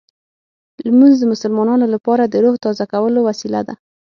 لمونځ د مسلمانانو لپاره د روح تازه کولو وسیله ده.